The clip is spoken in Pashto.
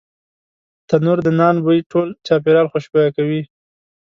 تنور د نان بوی ټول چاپېریال خوشبویه کوي